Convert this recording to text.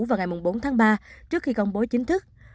vào ngày bốn tháng ba trước khi công bố chính thức